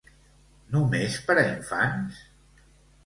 Només per a infants?